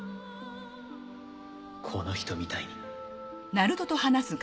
この人みたいに。